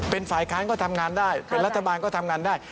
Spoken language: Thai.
เป็นฝ่ายค้านก็ทำงานได้เป็นรัฐบาลก็ทำงานได้